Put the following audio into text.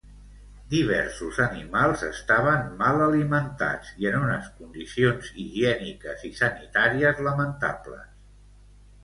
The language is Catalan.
Diversos animals estaven mal alimentats i en unes condicions higièniques i sanitàries lamentables.